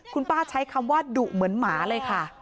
คุณป้าใช้คำว่าดุเหมือนหมาเลยค่ะ